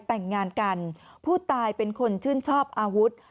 แต่งงานกันผู้ตายเป็นคนชื่นชอบอาวุธ